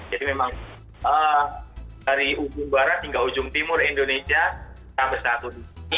jadi memang dari ujung barat hingga ujung timur indonesia kita bersatu di sini